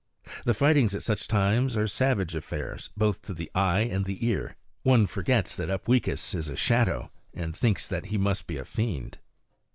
The fightings at such times are savage affairs, both to the eye and ear. One forgets that Upweekis is a shadow, and thinks that he must be a fiend.